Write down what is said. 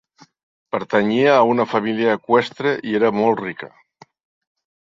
Pertanyia a una família eqüestre i era molt rica.